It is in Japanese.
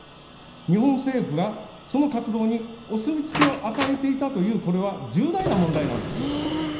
日本政府がその活動にお墨付きを与えていたという、これは重大な問題なんですよ。